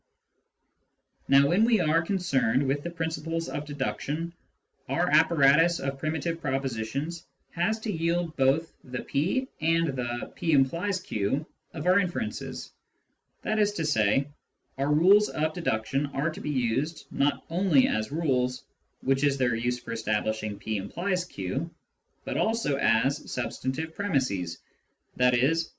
Now when we are concerned with the princi ples of deduction, our apparatus of primitive propositions has to yield both the p and the " p implies q " of our inferences. That is to say, our rules of deduction are to be used, not only as rules, which is their use for establishing " p implies q," but also as substantive premisses, i.e.